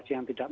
sudah ber dekat